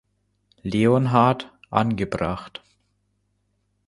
Leonhard angebracht.